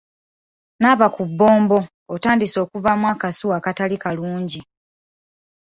Nnaaba ku bbombo otandise okuvaamu akasu akatali kalungi.